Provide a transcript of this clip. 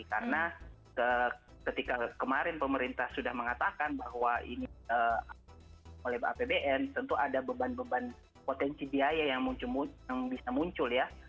karena ketika kemarin pemerintah sudah mengatakan bahwa oleh apbn tentu ada beban beban potensi biaya yang bisa muncul ya